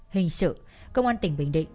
hình sự công an tỉnh bình định